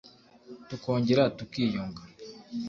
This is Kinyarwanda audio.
tukongera tukiyunga